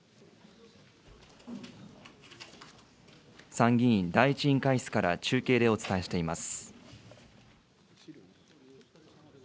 参議院第１委員会室から中継でお伝えしています。